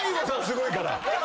すごいから。